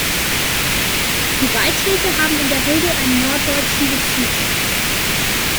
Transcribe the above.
Die Beiträge haben in der Regel einen norddeutschen Bezug.